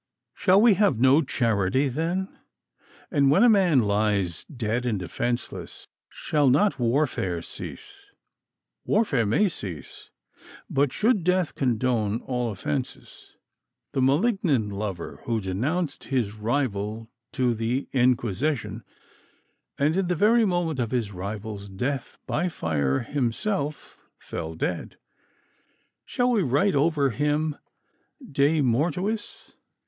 Shall we have no charity, then? and when a man lies dead and defenceless, shall not warfare cease? Warfare may cease; but should death condone all offences? The malignant lover who denounced his rival to the Inquisition, and in the very moment of his rival's death by fire himself fell dead shall we write over him, _De mortuis?